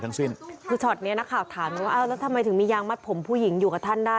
เดี๋ยวจะมาเล่าว่ามันเกิดอะไรขึ้นนะปัจจุบัน